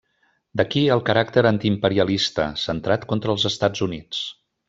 D'aquí el caràcter antiimperialista, centrat contra els Estats Units.